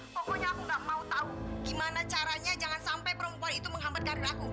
pokoknya aku gak mau tahu gimana caranya jangan sampai perempuan itu menghambat karir aku